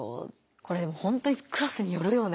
これでもほんとにクラスによるよな。